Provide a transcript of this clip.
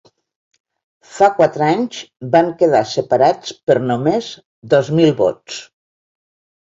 Fa quatre anys van quedar separats per només dos mil vots.